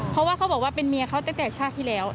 เพราะว่าเขาบอกว่าเป็นเมียเขาตั้งแต่ชาติที่แล้ว